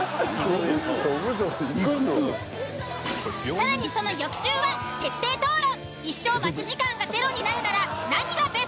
更にその翌週は徹底討論。